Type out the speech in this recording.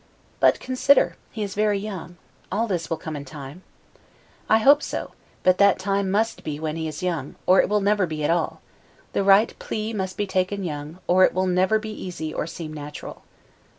But consider, he is very young; all this will come in time. I hope so; but that time must be when he is young, or it will never be at all; the right 'pli' must be taken young, or it will never be easy or seem natural.